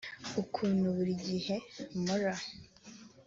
g ukuntu buri gihe mpora